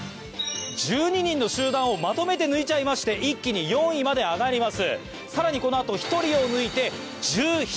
１２人の集団をまとめて抜いちゃいまして一気に４位まで上がります